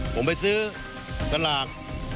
ผมไปซื้อสลาก